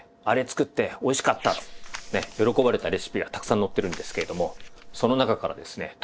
「あれ作っておいしかった」と喜ばれたレシピがたくさん載ってるんですけれどもその中からですね